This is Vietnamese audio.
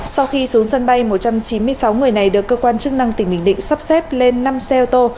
sau khi xuống sân bay một trăm chín mươi sáu người này được cơ quan chức năng tỉnh bình định sắp xếp lên năm xe ô tô